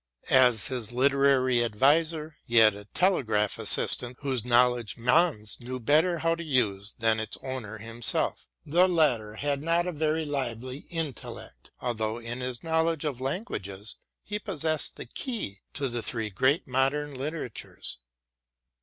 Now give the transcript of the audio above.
As his literary adviser, he had a telegraph assistant whose knowledge Mans knew better how to use than its owner himself; the latter had not a very lively intellect, although in his knowledge of languages he possessed the key to the three great modern literatures.